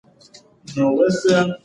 د فرایضو پابندي د بنده ګۍ نښه ده.